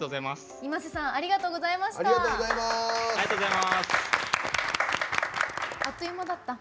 ｉｍａｓｅさんありがとうございました。